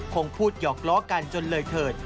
คงพูดหยอกล้อกันจนเลยเถิด